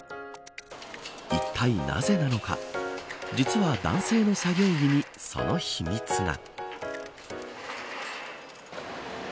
いったい、なぜなのか実は男性の作業着にその秘密が。